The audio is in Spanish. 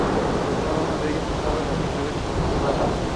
Cada uno de ellos usaba la inicial de su consorte.